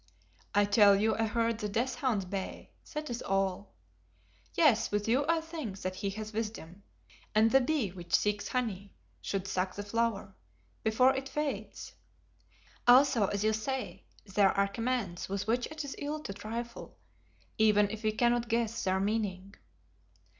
"I tell you I heard the death hounds bay, that is all. Yes, with you I think that he has wisdom, and the bee which seeks honey should suck the flower before it fades! Also, as you say, there are commands with which it is ill to trifle, even if we cannot guess their meaning."